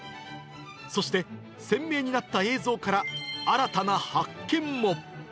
そして、鮮明になった映像から新たな発見も。